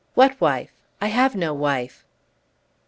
WHAT WIFE? I HAVE NO WIFE."